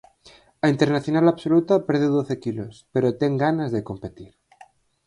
A internacional absoluta perdeu doce quilos, pero ten ganas de competir.